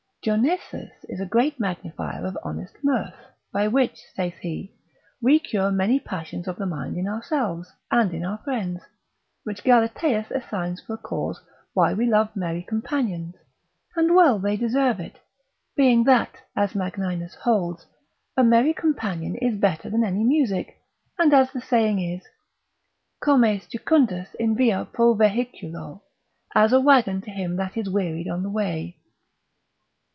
Gomesius, praefat. lib. 3. de sal. gen. is a great magnifier of honest mirth, by which (saith he) we cure many passions of the mind in ourselves, and in our friends; which Galateus assigns for a cause why we love merry companions: and well they deserve it, being that as Magninus holds, a merry companion is better than any music, and as the saying is, comes jucundus in via pro vehiculo, as a wagon to him that is wearied on the way.